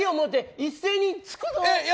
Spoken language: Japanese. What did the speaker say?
一斉に突くぞ！